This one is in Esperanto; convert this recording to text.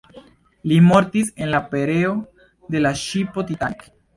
Li mortis en la pereo de la ŝipo Titanic.